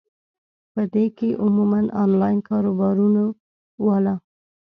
پۀ دې کښې عموماً انلائن کاروبارونو واله ،